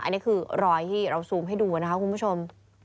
อันนี้คือรอยที่เราซูมให้ดูนะคะคุณผู้ชม